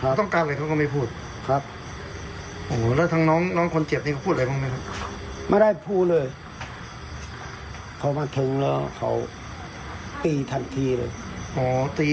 ก็ฉะนั้นทีก่อนบอกว่ามันคือเกิดคำถามเพิ่ม